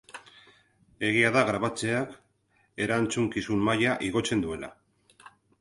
Egia da grabatzeak erantzukizun maila igotzen duela.